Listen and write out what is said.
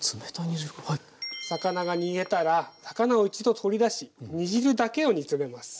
魚が煮えたら魚を一度取り出し煮汁だけを煮詰めます。